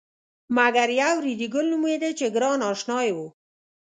مګر یو ریډي ګل نومېده چې ګران اشنای و.